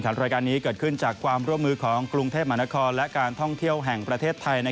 รายการนี้เกิดขึ้นจากความร่วมมือของกรุงเทพมหานครและการท่องเที่ยวแห่งประเทศไทย